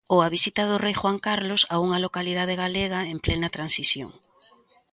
Ou a visita do rei Juan Carlos a unha localidade galega en plena Transición.